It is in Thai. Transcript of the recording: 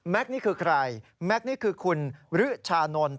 นี่คือใครแม็กซ์นี่คือคุณริชานนท์